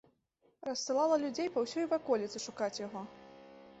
Рассылала людзей па ўсёй ваколіцы шукаць яго.